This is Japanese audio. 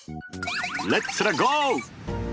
レッツらゴー！